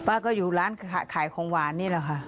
ป้าก็อยู่ร้านขายของหวานนี่แหละค่ะ